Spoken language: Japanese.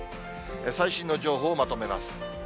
最新の情報をまとめます。